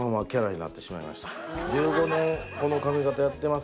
１５年この髪型やってますよ。